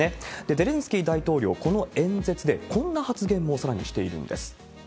ゼレンスキー大統領、この演説でこんな発言もさらにしているんです。